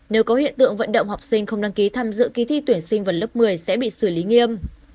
nếu có hiện tượng vận động học sinh không đăng ký tham dự kỳ thi tuyển sinh vào lớp một mươi sẽ bị xử lý nghiêm